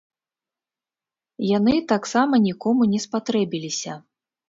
Яны таксама нікому не спатрэбіліся.